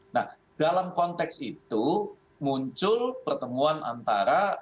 nah dalam konteks itu muncul pertemuan antara